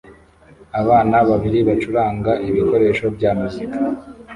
Abana babiri bacuranga ibikoresho bya muzika